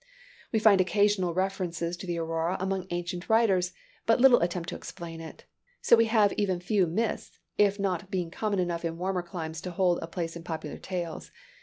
We find occasional references to the aurora among ancient writers, but little attempt to explain it. So we have even few myths, it not being common enough in warmer climes to hold a place in popular tales.